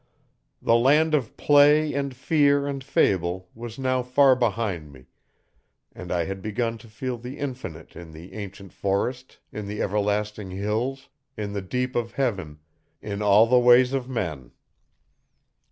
The land of play and fear and fable was now far behind me and I had begun to feel the infinite in the ancient forest' in the everlasting hills, in the deep of heaven, in all the ways of men.